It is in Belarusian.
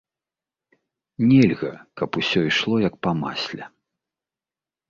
Нельга, каб усё ішло як па масле.